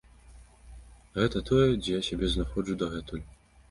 Гэта тое, дзе я сябе знаходжу дагэтуль.